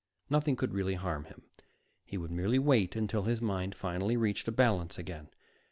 Nothing could really harm him. He would merely wait until his mind finally reached a balance again.